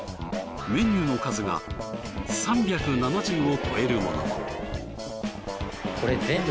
メニューの数が３７０を超えるものも。